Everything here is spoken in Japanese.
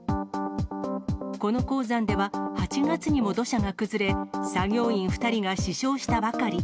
この鉱山では、８月にも土砂が崩れ、作業員２人が死傷したばかり。